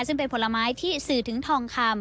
ซึ่งเป็นผลไม้ที่สื่อถึงทองคำ